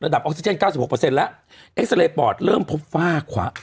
ระดับออกซิเจน๙๖เปอร์เซ็นต์แล้วเอ็กซาเรย์ปอดเริ่มพบฝ้าขวา